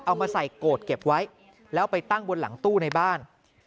เอามาใส่โกรธเก็บไว้แล้วไปตั้งบนหลังตู้ในบ้าน